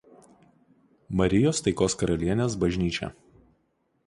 Marijos Taikos Karalienės bažnyčia.